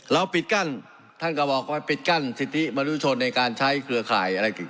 ปิดกั้นท่านก็บอกว่าปิดกั้นสิทธิมนุษยชนในการใช้เครือข่ายอะไร